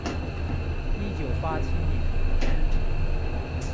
一九八七年